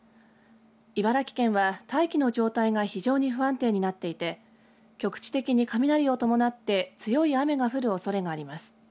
茨城県は大気の状態が非常に不安定になっていて局地的に雷を伴って強い雨が降るおそれがあります。